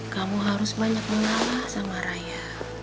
kamu harus banyak mengalah sama raya